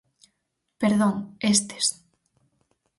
Perdón: estes.